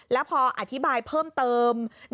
แล้วพออธิบายเพิ่มเติม